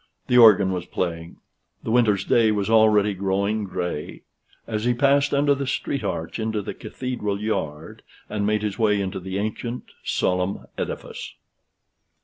The organ was playing: the winter's day was already growing gray: as he passed under the street arch into the Cathedral yard, and made his way into the ancient solemn edifice.